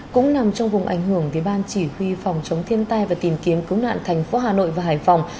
cũng nằm trong vùng ảnh hưởng với ban chỉ huy phòng chống thiên tai và tìm kiếm cứu nạn thành phố hà nội và hải phòng